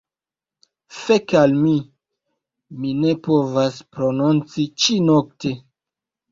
Fek al mi, mi ne povas prononci ĉi-nokte!